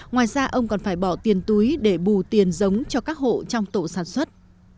ngoài ra ông còn phải bỏ tiền túi để bù tiền giống cho các hộ trong tổ sản xuất